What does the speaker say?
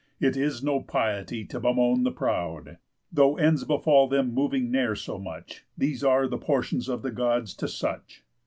It is no piety to bemoan the proud, Though ends befall them moving ne'er so much, These are the portions of the Gods to such.